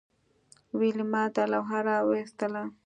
ویلما دا لوحه راویستله